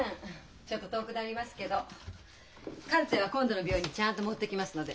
ちょっと遠くなりますけどカルテは今度の病院にちゃんと持っていきますので。